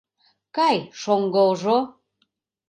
Кай, шоҥго ожо!